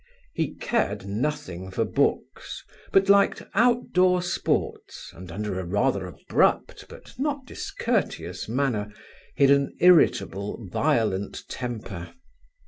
He cared nothing for books, but liked outdoor sports and under a rather abrupt, but not discourteous, manner hid an irritable, violent temper.